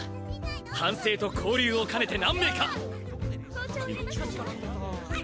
反省と交流を兼ねて何名か！